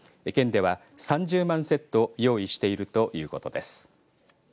県では、３０万セット用意しているということです。